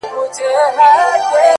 د په زړه کي اوښکي _ د زړه ویني – ويني _